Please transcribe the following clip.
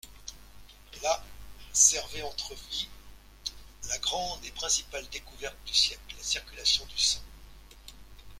Là, Servet entrevit la grande et principale découverte du siècle, la circulation du sang.